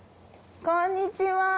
こんにちは。